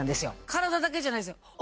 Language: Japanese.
体だけじゃないですよ。